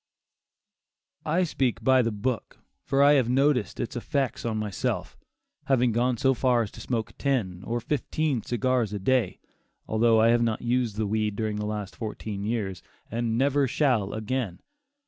I speak "by the book," for I have noticed its effects on myself, having gone so far as to smoke ten or fifteen cigars a day, although I have not used the weed during the last fourteen years, and never shall again.